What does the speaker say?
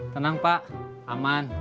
tenang pak aman